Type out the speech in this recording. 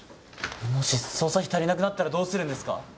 もし捜査費足りなくなったらどうするんですか？